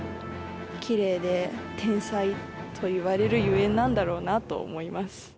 天才といわれるゆえんなんだろうなと思います。